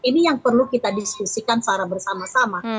ini yang perlu kita diskusikan secara bersama sama